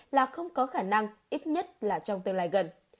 là không có khả năng ít nhất là trong tương lai gần